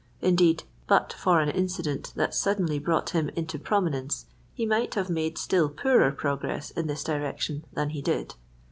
Indeed, but for an incident that suddenly brought him into prominence, he might have made still poorer progress in this direction than he did.